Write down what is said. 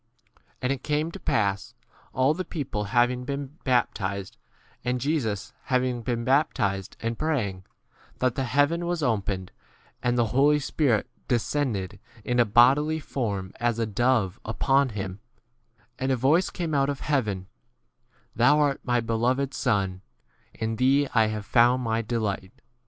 21 And it came to pass, all the people having been baptized, and Jesus having been baptized and praying, that the heaven was 22 opened, and the Holy Spirit de scended in a bodily form as a dove upon him ; and a voice came out of heaven, 2 Thou art my beloved Son, in thee I have found my delight.